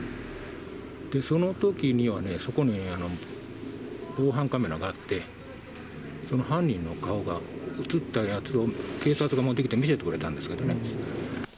そのときにはね、そこに防犯カメラがあって、その犯人の顔が写ったやつを警察が持ってきて、見せてくれたんですけどね。